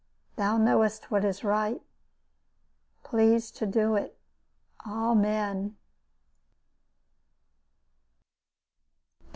Thou knowest what is right. Please to do it. Amen."